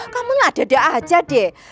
kamu ngadada aja deh